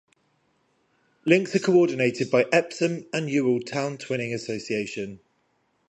Links are coordinated by Epsom and Ewell Town Twinning Association.